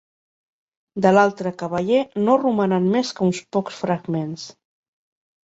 De l'altre cavaller no romanen més que uns pocs fragments.